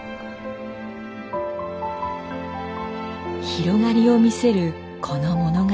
広がりを見せるこの物語。